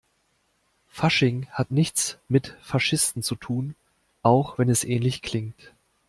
Fasching hat nichts mit Faschisten zu tun, auch wenn es ähnlich klingt.